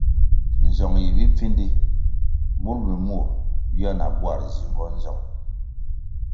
Nzong yi bipfindi, mur mbpi mur ywia na bwar nzingo nzong.